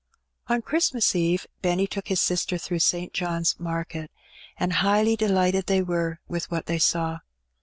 On Christmas Eve Benny took his sister through St. John's Market, and highly delighted they were with what they saw.